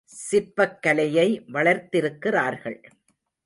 சிற்பக் கலையை வளர்த்திருக்கிறார்கள்.